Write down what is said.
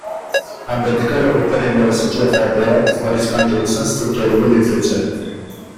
Ambedkar Open University of Hyderabad, for his contributions to Telugu literature.